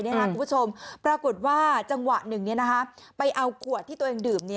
คุณผู้ชมปรากฏว่าจังหวะหนึ่งไปเอาขวดที่ตัวเองดื่ม